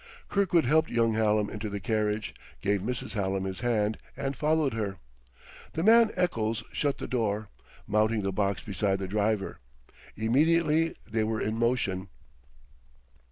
Kirkwood helped young Hallam into the carriage, gave Mrs. Hallam his hand, and followed her. The man Eccles shut the door, mounting the box beside the driver. Immediately they were in motion.